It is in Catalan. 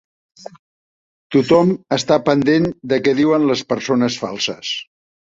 Tothom està pendent de què diuen les persones falses.